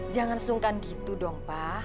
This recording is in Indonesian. jangan sungkan gitu dong pak